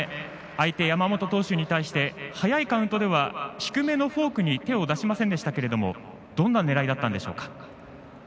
相手、山本投手に対して早いカウントでは低めのフォークに手を出しませんでしたがどんな狙いだったんでしょうか。